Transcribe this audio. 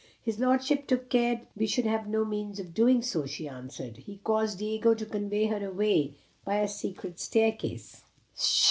"His lordship took care we should have no means of doing so," she answered. "He caused Diego to convey her away by a secret staircase."